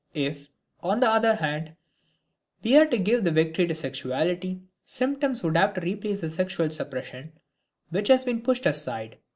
If, on the other hand, we were to give the victory to sexuality, symptoms would have to replace the sexual suppression, which has been pushed aside.